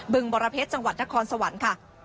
ึงบรเพชรจังหวัดนครสวรรค์ค่ะ